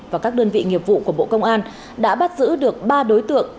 và các đơn vị nghiệp vụ của bộ công an đã bắt giữ được ba đối tượng